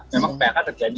memang phk terjadi